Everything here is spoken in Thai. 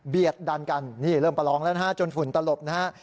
เบียดดันกันเริ่มประลองแล้วจนฝุ่นตลบนะฮะ